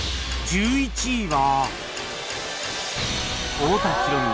１１位は